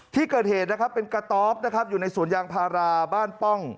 ที่เกิดเหตุนะครับเป็นกระต๊อบนะครับอยู่ในสวนยางพาราบ้านป้อง